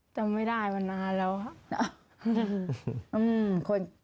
จำไม่ได้มานานแล้วครับ